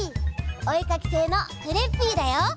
おえかきせいのクレッピーだよ！